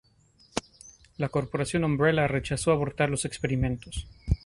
La Corporación Umbrella rechazó abortar los experimentos.